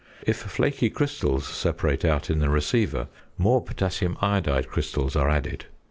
If flaky crystals separate out in the receiver, more potassium iodide crystals are added.